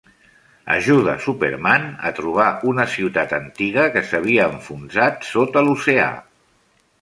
Ajuda Superman a trobar una ciutat antiga que s'havia enfonsat sota l'oceà.